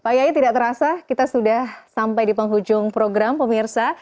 pak yayi tidak terasa kita sudah sampai di penghujung program pemirsa